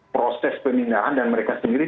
proses pembinaan dan mereka sendiri